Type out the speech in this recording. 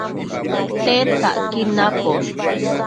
Tedtacquid naposh